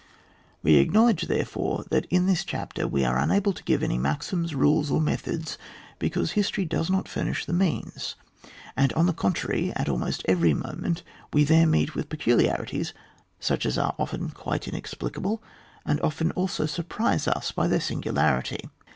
We acknowledge, therefore, that in this chapter we are unable to give any maxims, rules, or methods, because his tory does not furnish the means ; and on the contrary, at almost every moment, we there meet with peculiarities such as are often quite inexplicable, and often also surprise us by their singularity.